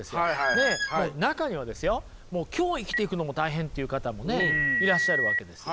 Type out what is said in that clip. ねえもう中にはですよもう今日生きていくのも大変っていう方もねいらっしゃるわけです。